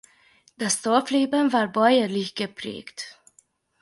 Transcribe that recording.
Das Dorfleben war bäuerlich geprägt.